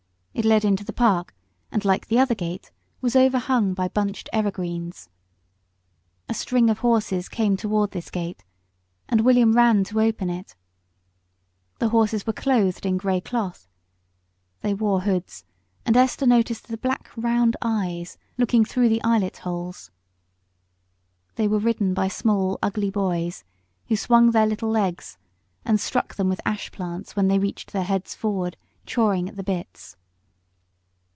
It led into the park, and, like the other gate, was overhung by bunched evergreens. A string of horses came towards this gate, and William ran to open it. The horses were clothed in grey cloth. They wore hoods, and Esther noticed the black round eyes looking through the eyelet holes. They were ridden by small, ugly boys, who swung their little legs, and struck them with ash plants when they reached their heads forward chawing at the bits.